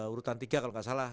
urutan tiga kalau nggak salah